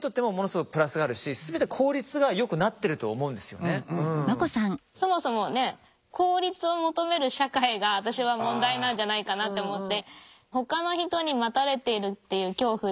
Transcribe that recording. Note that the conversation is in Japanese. これはもうそもそもね効率を求める社会が私は問題なんじゃないかなと思って。